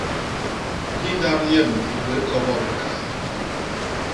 Hi ndap yem i gwéé kobot bikaat.